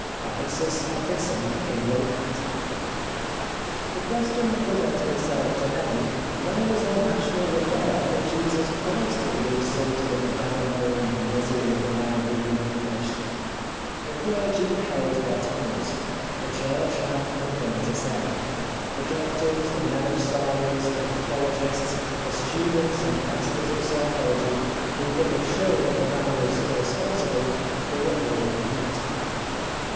Abyssus ahyssum invocat. The question presented itself to many : Where was our national regard for Jesus Christ as we exulted in the downfall and misery of the man whom we had punished ? The clergy held their tongues. The Church had nothing to say. The doctors, the men of science, the patholo gists, the students and masters of psychology, who could have shown that the man was irre sponsible : they were all mute.